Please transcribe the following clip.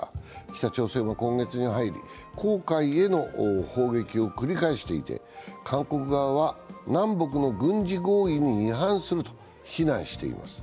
北朝鮮は今月に入り、黄海への砲撃を繰り返していて韓国側は南北の軍事合意に違反すると非難しています。